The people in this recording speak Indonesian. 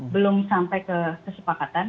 belum sampai kesepakatan